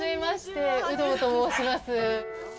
有働と申します。